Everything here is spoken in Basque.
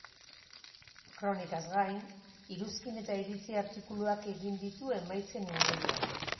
Kronikaz gain, iruzkin eta iritzi artikuluak egin ditu emaitzen inguruan.